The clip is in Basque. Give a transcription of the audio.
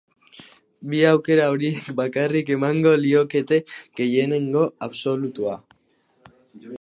Bi aukera horiek bakarrik emango liokete gehiengo absolutua.